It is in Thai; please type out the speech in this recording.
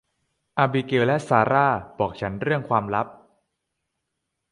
อาบิเกลและซาร่าบอกฉันเรื่องความลับ